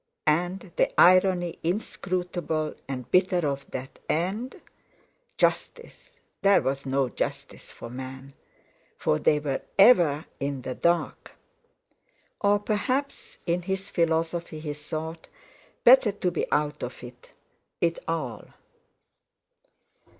And the irony, inscrutable, and bitter of that end? Justice! There was no justice for men, for they were ever in the dark! Or perhaps in his philosophy he thought: Better to be out of it all!